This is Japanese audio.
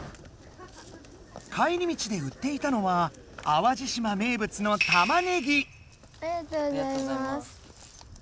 帰り道で売っていたのはありがとうございます。